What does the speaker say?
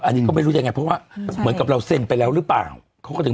อันนี้ก็ไม่รู้่ายังง่ายเพราะว่าเหมือนกับเราเส็นไปแล้วหรือเปล่าก็ต้องดู